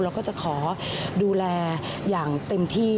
เราก็จะขอดูแลอย่างเต็มที่